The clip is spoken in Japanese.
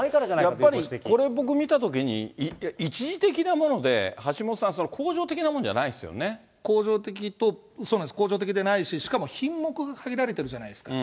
やっぱりこれ、僕見たときに、一時的なもので、橋下さん、恒常的と、そうなんです、恒常的でないし、しかも品目が限られてるじゃないですか。